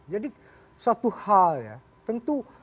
jadi suatu hal ya tentu